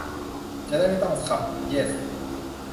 จะได้ไม่ต้องขับ เยส !